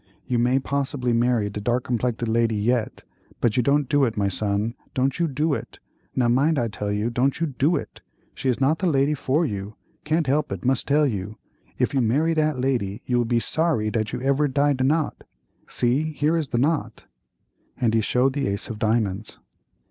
You may possibly marry de dark complected lady yet, but don't you do it, my son, don't you do it—now mind I tell you, don't you do it—she is not the lady for you—can't help it, must tell you; if you marry dat lady you will be sorry dat you ever tie de knot. See, here is the knot," and he showed the ace of diamonds.